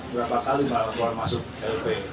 berapa kali pak rambang masuk lp